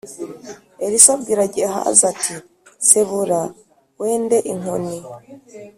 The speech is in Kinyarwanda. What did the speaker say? Elisa abwira gehazi ati cebura wende inkoni